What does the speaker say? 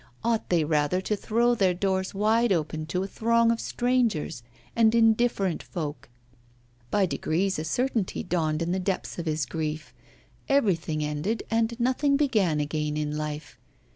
Ought they rather to throw their doors wide open to a throng of strangers and indifferent folk? By degrees a certainty dawned in the depths of his grief: everything ended and nothing began again in life.